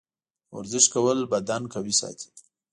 د ورزش کول بدن قوي ساتي.